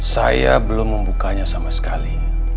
saya belum membukanya sama sekali